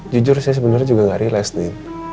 jujur saya sebenernya juga gak relax nih